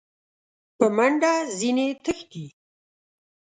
په منډه ځني تښتي !